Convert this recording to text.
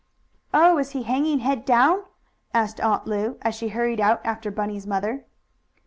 "Oh, is he hanging head down?" asked Aunt Lu, as she hurried out after Bunny's mother.